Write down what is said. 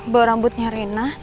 bawa rambutnya reina